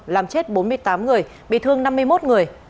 làm chết bốn mươi tám người bị thương năm mươi một người